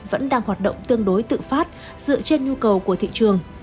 vẫn đang hoạt động tương đối tự phát dựa trên nhu cầu của thị trường